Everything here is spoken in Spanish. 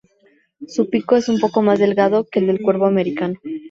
Su pico es un poco más delgado que el del cuervo americano.